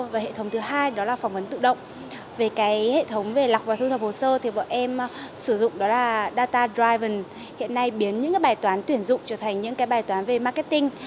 và hệ thống thứ hai là phỏng vấn tự động về hệ thống lọc và thu thập hồ sơ bọn em sử dụng data driver hiện nay biến những bài toán tuyển dụng trở thành những bài toán về marketing